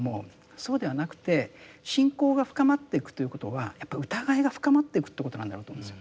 そうではなくて信仰が深まってくということはやっぱ疑いが深まってくってことなんだろうと思うんですよ。